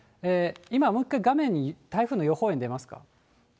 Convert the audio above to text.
今もう一回、画面に台風の予報円出ますか？